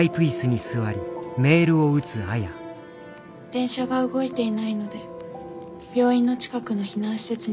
「電車が動いていないので病院の近くの避難施設に泊まります。